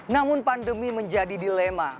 namun pandemi menjadi dilema